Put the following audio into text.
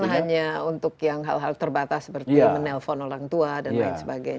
bukan hanya untuk yang hal hal terbatas seperti menelpon orang tua dan lain sebagainya